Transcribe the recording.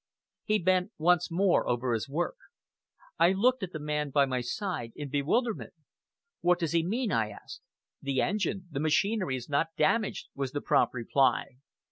He bent once more over his work. I looked at the man by my side in bewilderment. "What does he mean?" I asked. "The engine! The machinery is not damaged!" was the prompt reply.